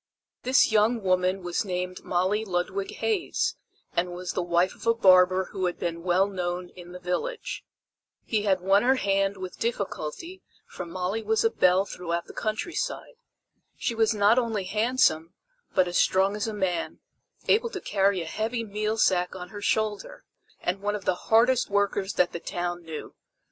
This young woman was named Molly Ludwig Hays, and was the wife of a barber who had been well known in the village. He had won her hand with difficulty for Molly was a belle throughout the countryside. She was not only handsome, but as strong as a man, able to carry a heavy meal sack on her shoulder; and one of the hardest workers that the town knew.